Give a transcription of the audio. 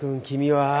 君は。